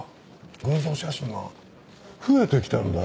群像写真が増えてきてるんだよ。